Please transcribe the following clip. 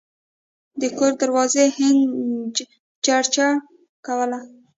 د کور دروازې هینج چرچره کوله.